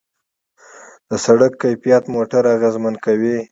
د سړک کیفیت موټر اغېزمن کوي.